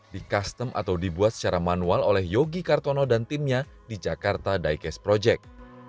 di custom atau dibuat secara manual oleh yogi kartono dan timnya di jakarta diecast project